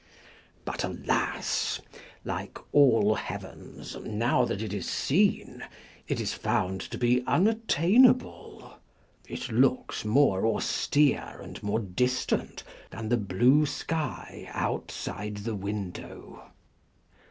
But alas 1 like all heavens, now that it is seen it is found to be unattainable ; it looks more austere and more distant than the blue sky outside the window.